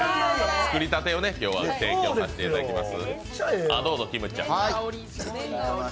作りたてを今日は提供させていただきます。